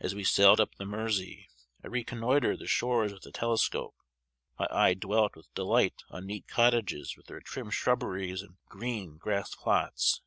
As we sailed up the Mersey, I reconnoitred the shores with a telescope. My eye dwelt with delight on neat cottages, with their trim shrubberies and green grass plots.